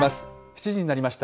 ７時になりました。